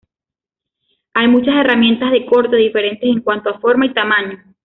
Hay muchas herramientas de corte diferentes en cuanto a forma y tamaño.